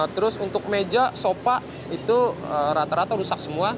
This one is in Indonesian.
terus untuk meja sopa itu rata rata rusak semua